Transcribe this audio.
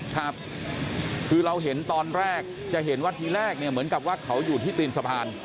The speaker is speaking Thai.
ครับคือเราเห็นตอนแรกจะเห็นว่าทีแรกเนี่ยเหมือนกับว่าเขาอยู่ที่ตีนสะพาน